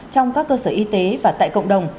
trong các cơ sở y tế và tại cộng đồng